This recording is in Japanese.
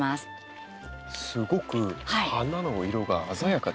すごく花の色が鮮やかですけど。